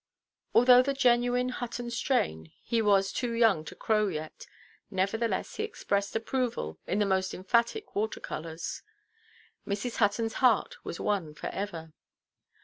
Although of the genuine Hutton strain, he was too young to crow yet, nevertheless he expressed approval in the most emphatic water–colours. Mrs. Huttonʼs heart was won for ever.